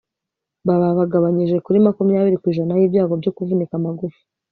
baba bagabanyije kuri makumyabiri kw'ijana y'ibyago byo kuvunika amagufa